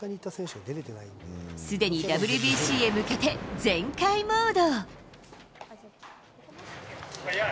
すでにＷＢＣへ向けて全開モード。